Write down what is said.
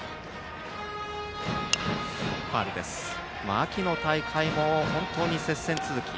秋の大会も本当に接戦続き。